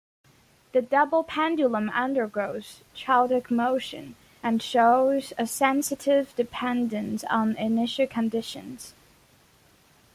The double pendulum undergoes chaotic motion, and shows a sensitive dependence on initial conditions.